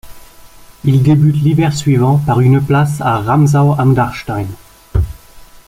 Il débute l'hiver suivant par une place à Ramsau am Dachstein.